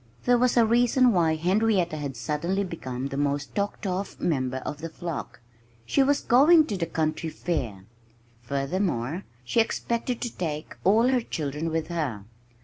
There was a reason why Henrietta had suddenly become the most talked of member of the flock. She was going to the county fair! Furthermore, she expected to take all her children with her.